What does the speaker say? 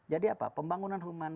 jadi apa pembangunan human